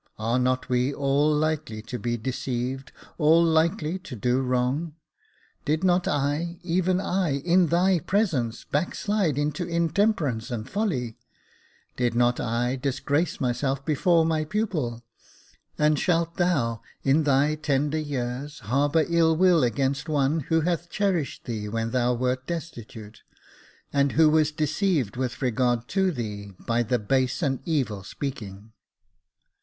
Are not we all likely to be deceived — all likely to do wrong ? Did not I, even I, in thy presence, backslide into intemperance and folly ? Did not I disgrace myself before my pupil — and shalt thou, in thy tender years, harbour ill will against one who hath cherished thee when thou wert destitute, and who was deceived with regard to thee by the base and evil speaking